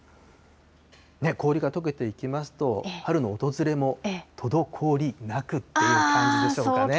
氷がとけていきますと、春の訪れもとどこおりなくという感じでしょうかね。